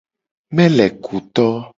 Melekuto.